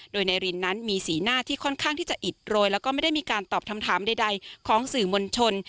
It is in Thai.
โดยนายรินนั้นมีสีหน้าที่ค่อนข้างที่จะอิดโรยแล้วก็ไม่ได้มีการตอบคำถามใดของสื่อมวลชน